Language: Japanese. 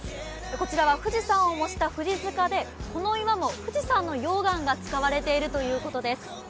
こちらは富士山を模した富士塚でこの岩も富士山の溶岩が使われているということです。